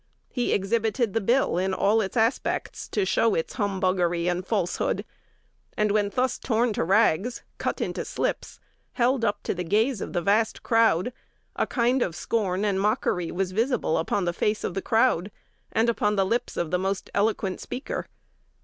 He exhibited the bill in all its aspects to show its humbuggery and falsehood; and, when thus torn to rags, cut into slips, held up to the gaze of the vast crowd, a kind of scorn and mockery was visible upon the face of the crowd and upon the lips of the most eloquent speaker....